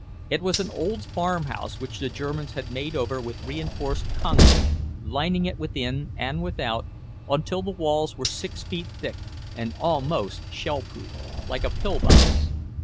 It was an old farmhouse which the Germans had made over with reinforced concrete, lining it within and without, until the walls were six feet thick and almost shell proof, like a pill box.